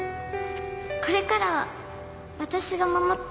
これからは私が守ってあげる。